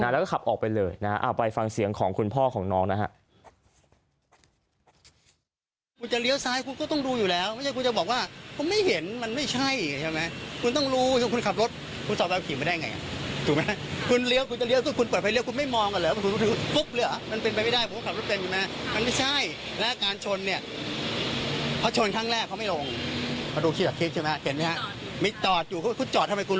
แล้วก็ขับออกไปเลยนะฮะเอาไปฟังเสียงของคุณพ่อของน้องนะฮะ